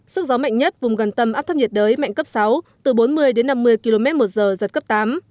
sức gió mạnh nhất vùng gần tâm áp thấp nhiệt đới mạnh cấp sáu từ bốn mươi đến năm mươi km một giờ giật cấp tám